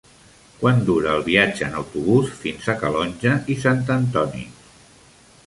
Quant dura el viatge en autobús fins a Calonge i Sant Antoni?